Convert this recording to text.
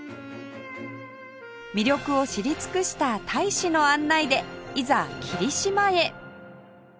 魅力を知り尽くした大使の案内でいざ霧島へ